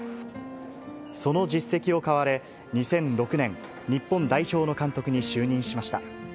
その実績を買われ、２００６年、日本代表の監督に就任しました。